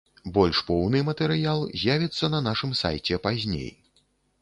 Больш поўны матэрыял з'явіцца на нашым сайце пазней.